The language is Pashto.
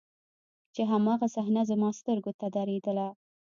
چې هماغه صحنه زما سترګو ته درېدله.